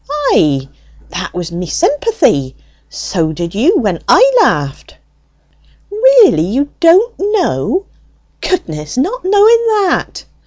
"Ay, that was me sympathy; so did you when I laughed!" "Really, you don't know? Goodness not knowing that!"